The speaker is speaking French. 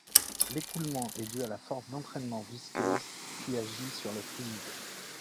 L'écoulement est dû à la force d'entraînement visqueuse qui agit sur le fluide.